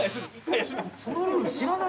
そのルール知らないですよ。